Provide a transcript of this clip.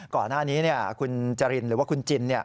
ก่อนหน้านี้คุณจรินหรือว่าคุณจิน